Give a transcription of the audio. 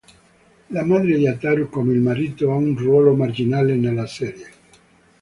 La madre di Ataru, come il marito, ha un ruolo marginale nella serie.